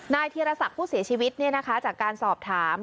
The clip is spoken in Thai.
นายเทียรศัพท์ผู้เสียชีวิตจากการสอบถาม